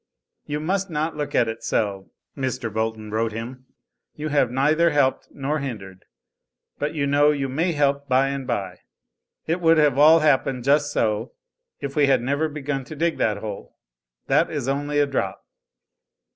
"You must not look at it so!" Mr. Bolton wrote him. "You have neither helped nor hindered but you know you may help by and by. It would have all happened just so, if we had never begun to dig that hole. That is only a drop.